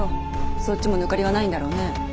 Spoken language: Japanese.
そっちも抜かりはないんだろうね？